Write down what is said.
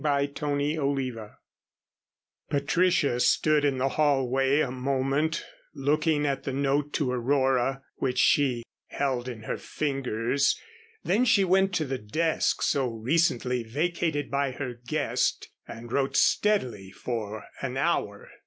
CHAPTER XIX Patricia stood in the hallway a moment looking at the note to Aurora, which she held in her fingers. Then she went to the desk so recently vacated by her guest and wrote steadily for an hour.